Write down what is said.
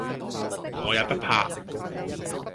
我也不怕；